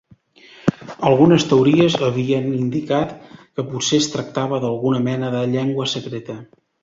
Algunes teories havien indicat que potser es tractava d'alguna mena de llengua secreta.